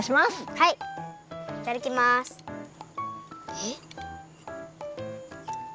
えっ？